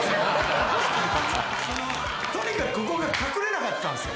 とにかくここが隠れなかったんすよ